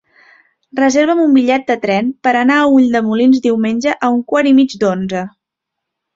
Reserva'm un bitllet de tren per anar a Ulldemolins diumenge a un quart i mig d'onze.